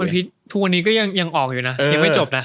ทุกวันนี้ก็ยังออกอยู่นะยังไม่จบนะ